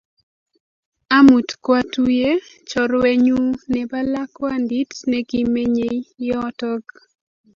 Amut kwatuye chorwennyu nepo lakwandit nekimenyei yotok